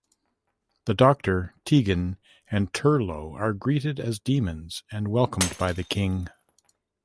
The Doctor, Tegan, and Turlough are greeted as demons and welcomed by the King.